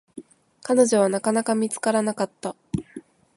彼女は、なかなか見つからなかった。